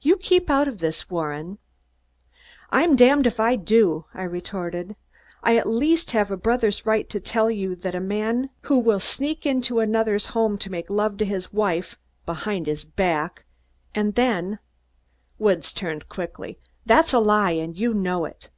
"You keep out of this, Warren!" "I'm damned if I do," I retorted. "I at least have a brother's right to tell you that a man who will sneak into another's home to make love to his wife, behind his back, and then " Woods turned quickly. "That's a lie, and you know it."